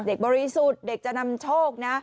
บริสุทธิ์เด็กจะนำโชคนะ